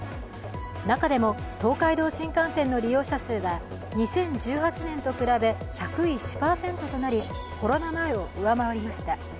中でも東海道新幹線の利用者数は２０１８年と比べ１０１％となりコロナ前を上回りました。